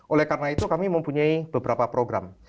oleh karena itu kami mempunyai beberapa program